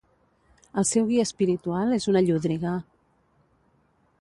El seu guia espiritual és una llúdriga.